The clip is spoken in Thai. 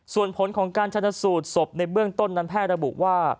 ส่วนผลของการชนสูตรศพในเบื้องต้นนั้นแพทย์ระบุว่า